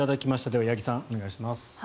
では、八木さんお願いします。